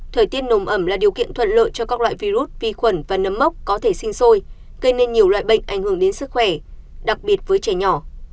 thời tiết nồm ẩm là điều kiện thuận lợi cho các loại virus vi khuẩn và nấm mốc có thể sinh sôi gây nên nhiều loại bệnh ảnh hưởng đến sức khỏe đặc biệt với trẻ nhỏ